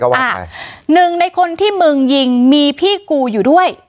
ว่าหนึ่งในคนที่มึงยิงมีพี่กูอยู่ด้วย